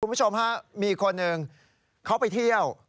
คุณผู้ชมฮะมีคนหนึ่งเขาไปเที่ยว